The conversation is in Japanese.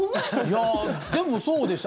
いや、でもそうでした。